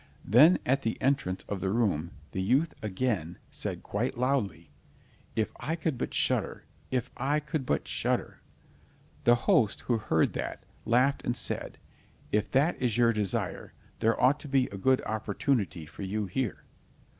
Then at the entrance of the room the youth again said quite loudly, "If I could but shudder! If I could but shudder!" The host who heard that, laughed and said: "If that is your desire, there ought to be a good opportunity for you here."